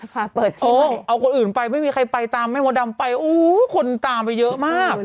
เปิดทีเอาคนอื่นไปไม่มีใครไปตามแม่มดดำไปอู้คนตามไปเยอะมาก